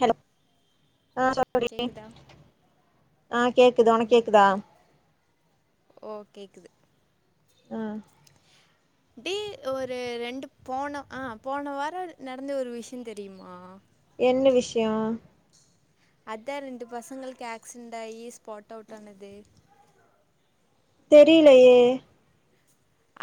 hello ஆ தோழி கேக்குதா ஆ கேக்குது ஒனக் கேக்குதா ஓ கேக்குது ஆ டி ஒரு ரெண்டு போன ஆ போன வார நடந்த ஒரு விஷய தெரியுமா என்ன விஷய அதா ரெண்டு பசங்களுக்கு ஆக்ஸிடண்டாயி ஸ்பாட்டவுட் ஆனது தெரியிலையே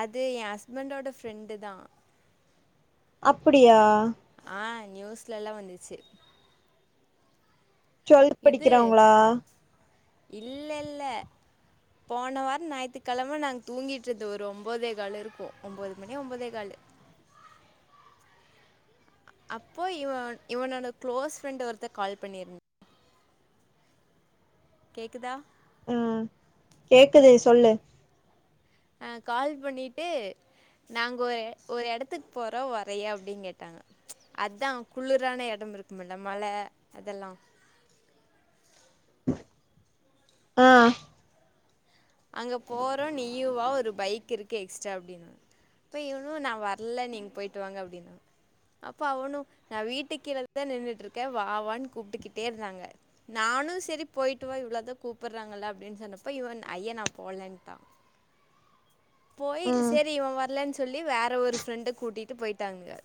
அது ஏ ஹஸ்பண்டோட ஃப்ரெண்டு தா அப்டியா ஆ நியூஸ்லல்லா வந்துச்சு டுவெல்த் இது படிக்கிறவங்களா இல்லல்ல போன வார ஞாயித்துக்கெழம நாங்க தூங்கிட்ருந்தோ ஒரு ஒம்போதே கால் இருக்கு ஒம்போது மணி ஒம்போதே காலு அப்போ இவ இவனோட குளோஸ் ஃப்ரெண்ட் ஒருத்த கால் பண்ணிருந் கேக்குதா ம் கேக்குது சொல்லு ஆ கால் பண்ணிட்டு நாங்க ஒரு ஒரு எடத்துக்கு போறோ வரியா அப்டின்னு கேட்டாங்க அதா குளிரான எடம் இருக்கும் இல்ல மல அதெல்லா ஆ அங்க போறோ நீயு வா ஒரு பைக் இருக்கு எக்ஸ்ட்ரா அப்டின்னு இப்ப இவனு நா வரல நீங்க போயிட்டு வாங்க அப்டின்னா அப்ப அவனு நா வீட்டுக்கு கீழதா நின்னுட்டு இருக்கே வா வான்னு கூப்ட்டுக்கிட்டே இருந்தாங்க நானு சேரி போயிட்டு வா இவ்ளோ இதா கூப்புட்றாங்கல்ல அப்டின்னு சொன்னப்ப இவன் ஐய நா போலன்ட்டா போய் ம் சேரி இவ வரலன்னு சொல்லி வேற ஒரு ஃப்ரெண்ட கூட்டிட்டு போயிட்டாங்க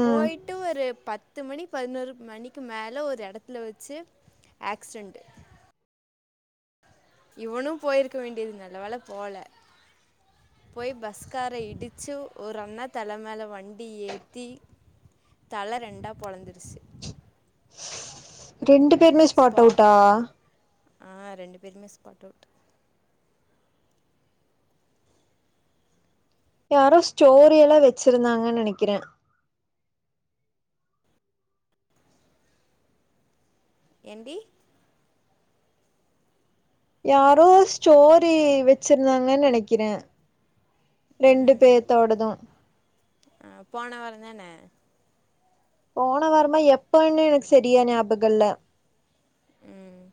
ம் போயிட்டு ஒரு பத் து மணி பதினோரு மணிக்கு மேலே ஒரு அடத்துல வச்சு ஆக்சிடென்ட் இவனு போயிருக்க வேண்டியது நல்ல வேல போவல போய் பஸ்கார இடிச்சு ஒரு அண்ணா தலை மேல வண்டி ஏத்தி தலை ரெண்டா பொழந்துருச்சு ரெண்டு பேருமே ஸ்பாட் ஸ்பா அவுட்டா ஆ ரெண்டு பேருமே ஸ்பாட் அவுட் யாரோ ஸ்டோரி எல்லா வச்சிருந்தாங்கனு நெனைக்கிறே ஏன்டி யாரோ ஸ்டோரி வச்சிருந்தாங்கனு நெனைக்கிறே ரெண்டு பேத்தோட்டதும் ஆ போன வாரம்தான போன வாரமா எப்பன்னு எனக்கு செரியா ஞாபகம் இல்ல ம்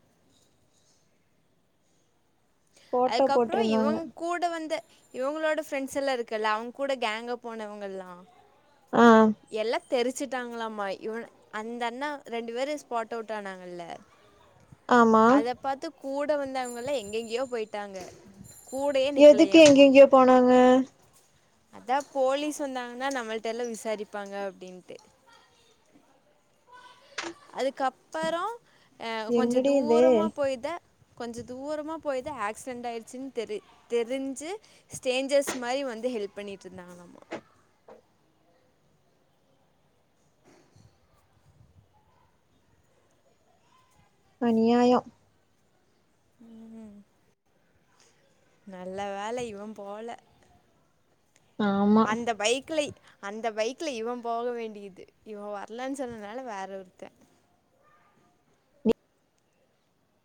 போட்டோ அதுக்கப்றோ போட்டிருந்தாங்க இவங் கூட வந்த இவங்களோட ஃப்ரெண்ட்ஸ் எல்லா இருக்குல்ல அவங்க கூட கேங்கா போனவங்கள்லா ஆ எல்லா தெரிச்சுட்டாங்களாமா இவன அந்த அண்ணா ரெண்டு பேரும் ஸ்பாட் அவுட் ஆனாங்கல்ல ஆமா அத பாத்து கூட வந்தவங்கல்லா எங்கெங்கயோ போயிட்டாங்க கூடயே எதுக்கு எங்க நிக்கலையாமா எங்கயே போனாங்க அதா போலீஸ் வந்தாங்கன்னா நம்மள்ட்ட எல்லா விசாரிப்பாங்க அப்படின்ட்டு அதுக்கப்பறோ அ கொஞ்ச என்னடி இது தூரமா போய்தா கொஞ்ச தூரமா போயிதா ஆக்சிடென்ட் ஆயிடுச்சுனு தெரி தெரிஞ்சு ஸ்டேஞ்சர்ஸ் மாரி வந்து ஹெல்ப் பண்ணிட்டு இருந்தாங்கலமா அநியாய ம் நல்ல வேல இவ போல ஆமா அந்த பைக்குல அந்த பைக்ல இவ போக வேண்டியது இவ வரலன்னு சொன்னனால வேற ஒருத்த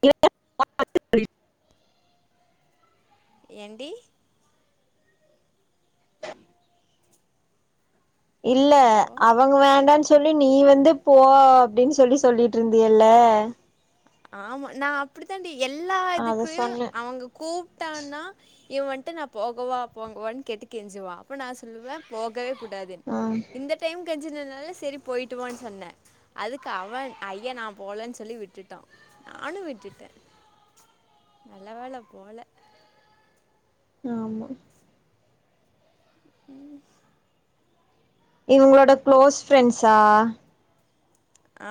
இல்லனா ஏன்டி இல்ல ஹலோ அவங்க வேண்டனு சொல்லி நீ வந்து போ அப்டின்னு சொல்லி சொல்லிட் ட்டுருந்தில்ல ஆமா நா அப்டித்தாண்டி எல்லா அத இதுக்கு சொன்னே அவங்க கூப்ட்டான்னா இவ வந்ட்டு நா போகவா போகவா கேட்டு கெஞ்சிவா அப்போ நா சொல்லுவே போகவே கூடாதுனு ஆ இந்த டைம் கஞ்சனால சேரி போயிட்டுவானு சொன்னே அதுக்கு அவ ஐயா நா போலன்னு சொல்லி விட்டுட்டா நானு விட்டுடா நல்ல வேல போல ஆமா ம் இவங்களோட க்ளோஸ் ஃப்ரெண்ட்ஸா ஆ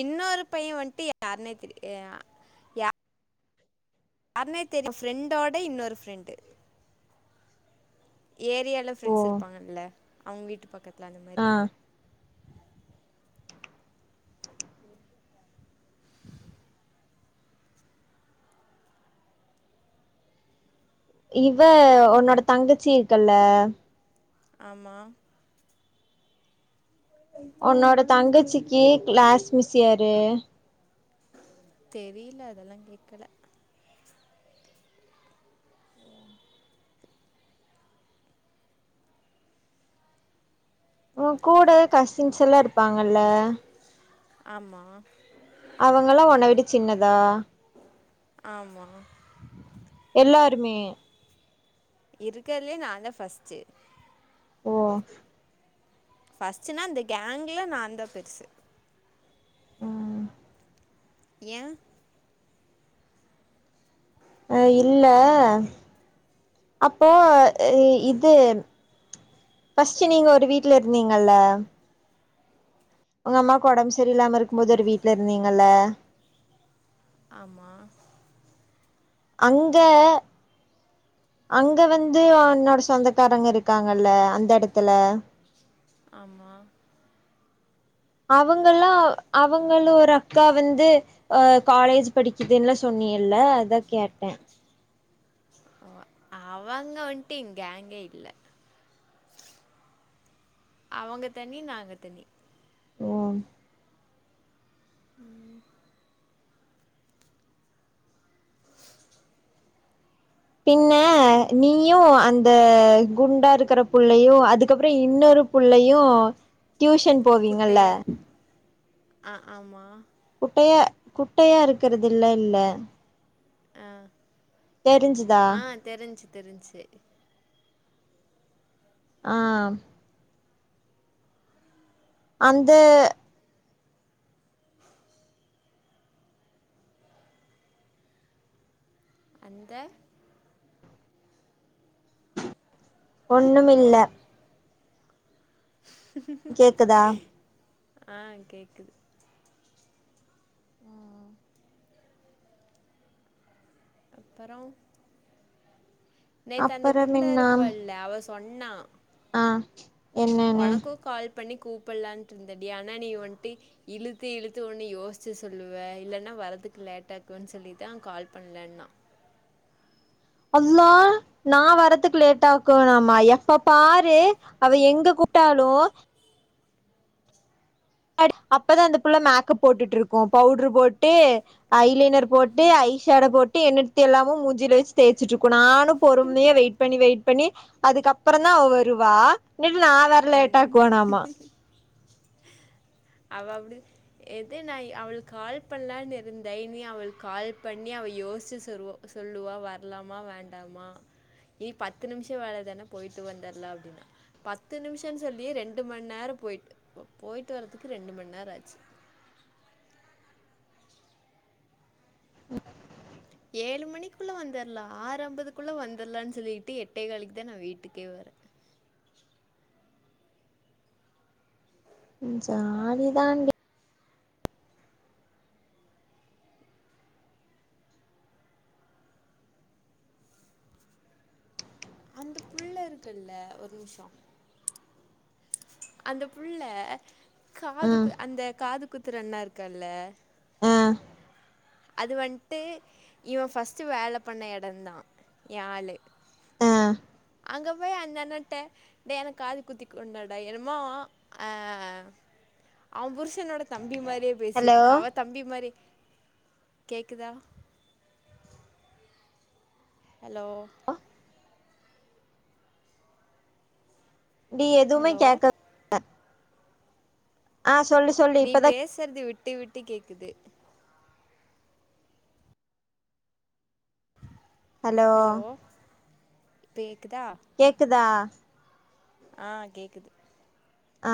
இன்னொரு பைய வந்துட்டு யாருனே தெரிய யா யாருனே தெரில ஃப்ரெண்டோட இன்னொரு ஃப்ரெண்டு ஏரியால ஓ ஃப்ரெண்ட்ஸ் இருப்பாங்கல அவுங்க வீட்டு பக்கத்தில அந்த மாரி ஆ இவ அப்புறோ உன்னோட தங்கச்சி இருக்குல்ல ஆமா உன்னோட தங்கச்சிக்கு கிளாஸ் மிஸ் யாரு தெரில அதெல்லா கேட்க்கல ம் உ கூடயே கசின்ஸ் எல்லா இருப்பாங்கல்ல ஆமா அவங்கல்லா உனை விட சின்னதா ஆமா எல்லாருமே இருக்கதுலயே நா தா ஃப்ர்ஸ்ட் ஓ ஃபர்ஸ்ட்டுனா இந்த கேங்கில நான்ந்தா பெருசு ம் ஏ ஆ அ இல்ல அப்போ இது ஃப்ர்ஸ்ட்டு நீங்க ஒரு வீட்ல இருந்தீங்கல்ல உங்க அம்மாக்கு ஒடம்ப சரி இல்லாம இருக்கும் போது ஒரு இப் வீட்ல இருந்தீங்கல்ல ஆமா அங்க அங்க வந்து என்னோட சொந்தக்காரங்க இருக்காங்கல்ல அந்த இடத்துல ஆமா அவங்கல்லா அவங்கள ஒரு அக்கா வந்து அ காலேஜ் படிக்குதுல்ல சொ சொன்னியல அதா கேட்டே ஓ அவுங்க வந்துட்டு கேங்கே இல்ல அவங்க தனி நாங்க தனி ஒ ம் பின்ன நீயு அந்த குண்டா இருக்கிற புள்ளையு அதுக்கப்புறோ இன்னொரு புள்ளயு டியூஷன் போவீங்கல்ல குட்டையா இருக்கு ஆ ஆமா குட்டையா குட்டையா இருக்கிறதுல்ல இல்ல அ தெரிஞ்சுதா தெரிஞ்சி தெரிஞ்சி ஆ அந்த அந்த ஹலோ ஒண்ணுமில்ல கேக்குதா ஆ கேக்குது அப்பறோ நேத்து அந்த அப்பறம் குண்டா என்னா இருப்பல்ல அவ சொன்னா ஆ என்னன்னு ஒனக்கு கால் பண்ணி கூப்பல்லான்ட்டு இருந்த டி அனா நீ வன்ட்டு இழுத்து இழுத்து ஒன்னு யோஸ்ச்சு சொல்லுவ இல்லன்னா வரதுக்கு லேட்டாக்குன் சொல்லிதா கால் பண்லண்ணா அல்லா நா வரத்துக்கு லேட்டாக்குனாமா எப்ப பாரு அவ எங்க கூப்ட்டாலு அடி அப்பதா அந்த புள்ள மேக்கப் போட்டுட்ருக்கு பவுரு போட்டு ஐ லைனர் போட்டு ஐ ஷேடோ போட்டு என்னுட் தெல்லாமு மூஞ்சீல வெச் தேச்சிட்ருக்கோனு நானு பொறுமையா வெயிட் பண்ணி வெயிட் பண்ணி அதுக்கப்பறோ தா அவ வருவா நில் நா வர லேட்டாக்குவனாமா அவ அப்படித எது நாய் அவளுக் கால் பண்லான்னு இருந்த இனி அவளுக் கால் பண்ணி அவ யோஸ்ச்சி சொருவோ சொல்லுவா வரலாமா வேண்டாமா நீ பத்து நிம்ஷோ வேல தான போய்ட்டு வந்தர்லா அப்டின்னா பத்து நிம்ஷன்னு சொல்லியே ரெண்டு மண் நேர போய்ட்டு போய்ட்டு வரதுக்கு ரெண்டு மண் நேர ஆச்சு உ ஏழு மணிக்குள்ள வந்தர்லா ஆரம்பதுக்குள்ள வந்தர்லான் சொல்லிட்டு எட்டே காலுக்கு தா நா வீட்டுக்கே வரே ம் ஜாலி தா டி அந்த புள்ள இருக்குல்ல ஒரு நிம்ஷோ அந்த புள்ள காது ம் கு அந்த காது குத்துற அண்ண இருக்கல்ல ஆ அது வன்ட்டு இவ ஃபர்ஸ்ட்டு வேல பண்ண எடந்தா ஏ ஆளு ஆ அங்க போய் அந்த அண்ணட்ட டே எனக் காது குத்தி கொண்டடா என்னமோ அ அவ புருஷனோட தம்பி மாரியே ஹலோ பேசிட்ருக் அவ தம்பி மாரி கேக்குதா ஹலோ அ டி எதுமே ஹலோ கேக்க ஆ சொல்லு சொ நீ பேசர்து விட்டு விட்டு கேக்குது ஹலோ தேக்குதா கேக்குதா ஆ கேக்குது ஆ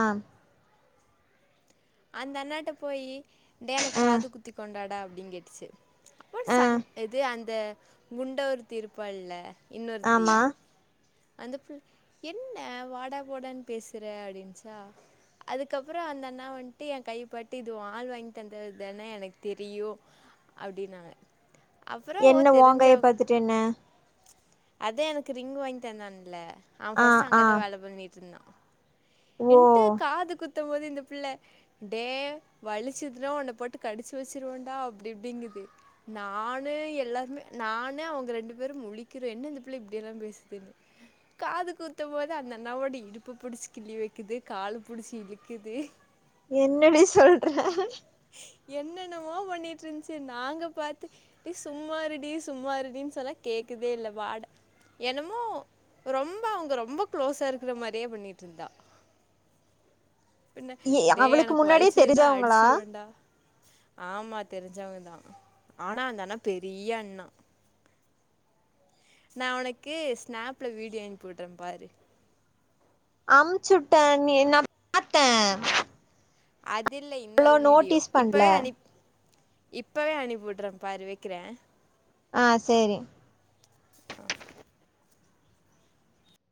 அந்த அண்ணாட்ட போயி டே எனக் ஆ காது குத்தி கொண்டாடா அப்டிங் கேட்டுச்சு அப்பற ஆ சன் எது அந்த குண்டா ஒருத்தி இருப்பள்ல இன்னொருத்தி ஆமா அந்த புள் என்ன வாடா போடான் பேசற அப்டின்ச்சா அதுக்கப்பறோ அந்த அண்ணா வன்ட்டு ஏ கையபாட்டு இது ஓ ஆள் வாங்கி தந்தது தான எனக்கு தெரியூ அப்டினாங்க அப்பறோ ஓ தெரிஞ்சவங் டென்ன அதா எனக் ரிங் வாங்கி தந்தான்ல்ல அவ ஆ ஃபஸ்ட்டு ஆ அங்க தா வேல பண்ணிட்ருந்தா ஓ இன்ட்டு காது குத்தும் போது இந்த பிள்ள டே வலிச்சுதுனா உன்ன போட்டு கடிச்சு வச்சிருவன்டா அப்டி இப்டிங்குது நானு எல்லாருமே நானு அவுங்க ரெண்டு பேரு முழிக்கிறோ என்ன இந்த பிள்ள இப்படி எல்லா பேசுதுன் காது குத்தும் போது அந்த அண்ணாவோட இடுப்ப புடுச்சு கிள்ளி வெக் க்குது கால புடுச்சு இழுக்குது என்னடி சொல்ற என்னென்னவோ பண்ணிட்டு இருந்துச்சு நாங்க பாத்து டி சும்மா இருடி சும்மா இருடின் சொன்னா கேக்கவே இல்ல வாட என்னமோ ரொம்ப அவுங்க ரொம்ப க்ளோஸா இருக்ற மாரியே பண்ணிட்ருந்தா பின்ன ஏ டே அவளுக்கு எனக்கு முன்னாடியே வல்ச்சதுன்னா தெரிஞ்சவங்களா அடிச்சிருவண்டா ஆமா தெரிஞ்சவங்கதா ஆனா அந்த அண்ணா பெரிய அண்ணா நா உனக்கு ஸ்நாப்ல வீடியோ அனுப்பி விட்றே பாரு அம்ச்சுட்டே நீ நா பாத்தே அது இல்ல அவ்ளோ இன்னொரு வீடியோ நோட்டீஸ் இப்பவே பண்ல அனிப் இப்பவே அனுப்பிவுட்ற பாரு வெக்கிறே ஆ சேரி